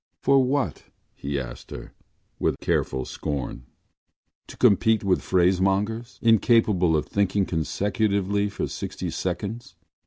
For what, he asked her, with careful scorn. To compete with phrasemongers, incapable of thinking consecutively for sixty seconds?